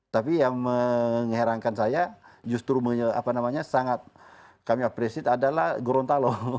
tapi yang mengherankan saya justru sangat kami apresiasi adalah gorontalo